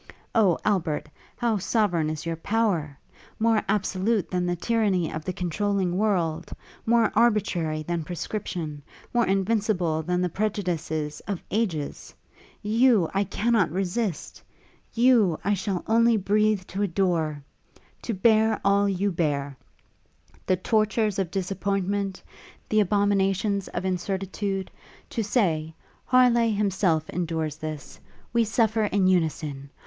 O Albert! how sovereign is your power! more absolute than the tyranny of the controlling world; more arbitrary than prescription; more invincible than the prejudices of ages! You, I cannot resist! you, I shall only breathe to adore! to bear all you bear, the tortures of disappointment, the abominations of incertitude; to say, Harleigh himself endures this! we suffer in unison!